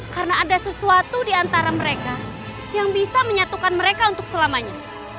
karena ada sesuatu di antara mereka yang bisa menyatukan mereka untuk selamanya